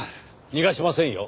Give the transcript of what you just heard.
逃がしませんよ。